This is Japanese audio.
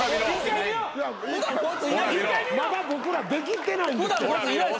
まだ僕ら出きってない。